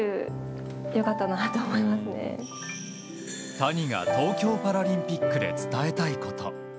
谷が東京パラリンピックで伝えたいこと。